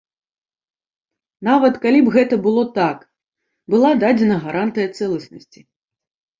Нават калі б гэта было так, была дадзена гарантыя цэласнасці.